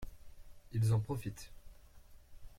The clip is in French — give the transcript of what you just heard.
Ils en profitent.